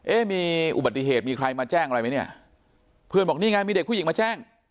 เอ๊ะมีอุบัติเหตุมีใครมาแจ้งอะไรไหมเนี่ยเพื่อนบอกนี่ไงมีเด็กผู้หญิงมาแจ้ง